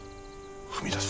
踏み出す。